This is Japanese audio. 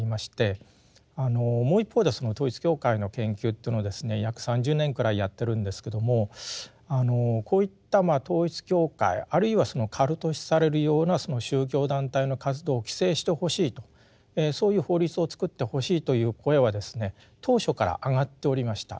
もう一方ではその統一教会の研究というのをですね約３０年くらいやってるんですけどもこういった統一教会あるいはカルト視されるような宗教団体の活動を規制してほしいとそういう法律を作ってほしいという声は当初から上がっておりました。